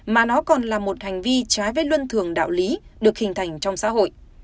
mà nó còn là một hành vi trái với luân thường đạo lý được hình thành trong xã hội